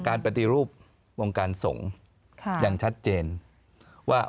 ปฏิรูปวงการสงฆ์อย่างชัดเจนว่า